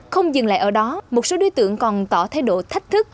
không dừng lại ở đó một số đối tượng còn tỏ thay đổi thách thức